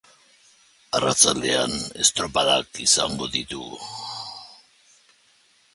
Arratsaldean, estropadak izango ditugu.